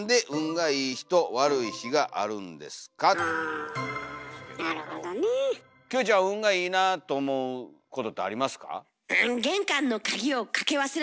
あなるほどねえ。キョエちゃん運がいいなあと思うことってありますか？